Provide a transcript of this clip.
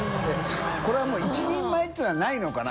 海譴もう１人前っていうのはないのかな？